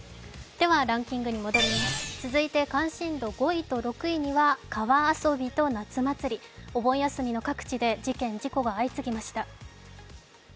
ランキングに戻りまして、関心度５位と６位には川遊びと夏祭り、お盆休みの各地で事件・事故が相次ぎました。